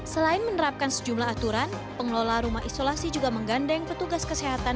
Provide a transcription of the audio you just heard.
selain menerapkan sejumlah aturan pengelola rumah isolasi juga menggandeng petugas kesehatan